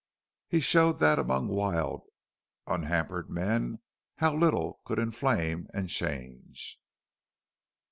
He showed that among wild, unhampered men how little could inflame and change.